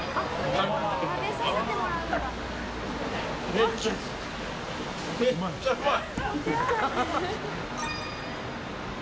めっちゃうまい！